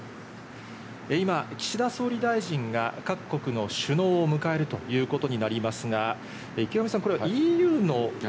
今、岸田総理大臣が各国の首脳を迎えるということになりますが、池上さん、これはＥＵの。